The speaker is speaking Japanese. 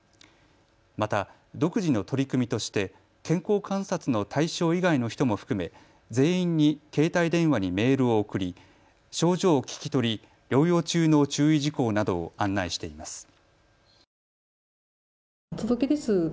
また、独自の取り組みとして健康観察の対象以外の人も含め全員に携帯電話にメールを送り症状を聞き取り、療養中の注意事項などを案内しています。